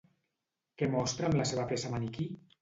Què mostra amb la seva peça Maniquí?